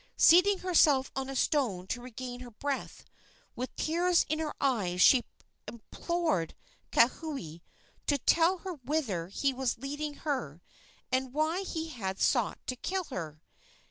Seating herself on a stone to regain her breath, with tears in her eyes she implored Kauhi to tell her whither he was leading her and why he had sought to kill her.